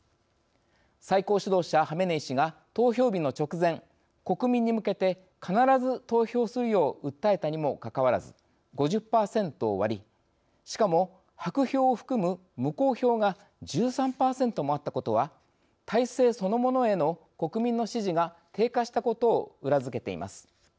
最高指導者ハメネイ師が投票日の直前国民に向けて必ず投票するよう訴えたにもかかわらず５０％を割りしかも白票を含む無効票が１３％もあったことは体制そのものへの国民の支持が低下したことを裏付けています。